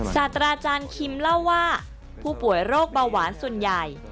ศาสตราจารย์คิมเล่าว่าผู้ป่วยโรคเบาหวานส่วนใหญ่